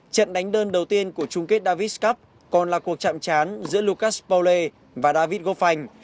trận đấu đầu tiên của chung kết david cup còn là cuộc chạm chán giữa lucas paulet và david gauphagne